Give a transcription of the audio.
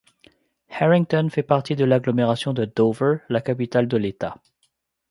Harrington fait partie de l’agglomération de Dover, la capitale de l’État.